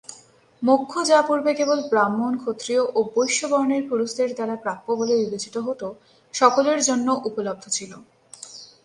মোক্ষ যা পূর্বে কেবল ব্রাহ্মণ, ক্ষত্রিয় ও বৈশ্য বর্ণের পুরুষদের দ্বারা প্রাপ্য বলে বিবেচিত হত, সকলের জন্য উপলব্ধ ছিল।